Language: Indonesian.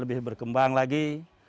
lebih berkembang lagi